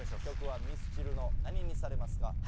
曲はミスチルの何にされますか？